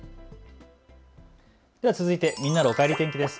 では続いてみんなのおかえり天気です。